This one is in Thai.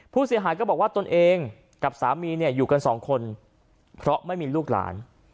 ผู้เสียหายก็บอกว่าตนเองกับสามีเนี่ยอยู่กันสองคนเพราะไม่มีลูกหลาน